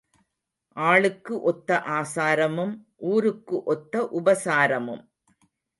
ஆளுக்கு ஒத்த ஆசாரமும் ஊருக்கு ஒத்த உபசாரமும்.